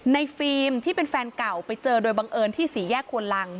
ฟิล์มที่เป็นแฟนเก่าไปเจอโดยบังเอิญที่สี่แยกควนลัง